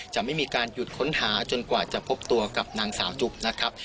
จะไม่มีการหยุดค้นหาจนกว่าจะพบตัวกับนางสาวจุ๊บนะครับ